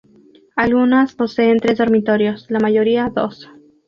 Algunas poseen tres dormitorios: la mayoría, dos.